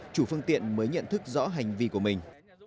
chủ phương tiện mới nhận thức rõ hành vi của mình